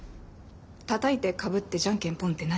「たたいてかぶってじゃんけんぽん」って何？